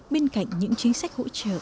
bên cạnh những chính sách hỗ trợ